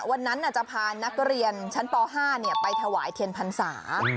วันนั้นจะพานักเรียนชั้นป๕ไปถวายเทียนพรรษา